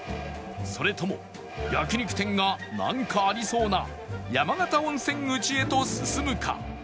それとも焼肉店がなんかありそうな山形温泉口へと進むか？